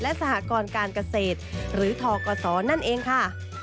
และสหกรการเกษตรหรือทกศนั่นเองค่ะ